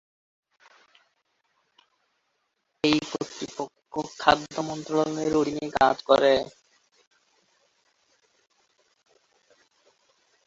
এই কর্তৃপক্ষ খাদ্য মন্ত্রণালয়ের অধীনে কাজ করে।